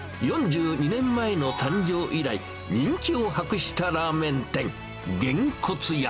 ４２年前の誕生以来、人気を博したラーメン店、げんこつ屋。